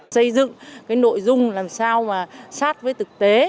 xây dựng cái nội dung làm sao mà sát với thực tế